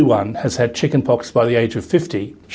shingles adalah kondisi medis yang serius